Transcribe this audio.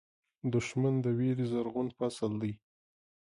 دښمن د وېرې زرغون فصل دی